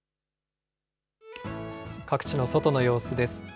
各地の外の様子です。